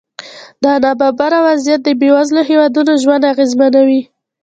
دغه نابرابره وضعیت د بېوزلو هېوادونو ژوند اغېزمنوي.